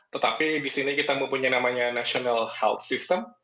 tetapi di sini kita mempunyai namanya national health system